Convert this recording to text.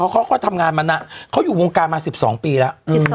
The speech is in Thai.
เขาก็ทำงานมาเขาอยู่วงการมา๑๒ปีแล้ว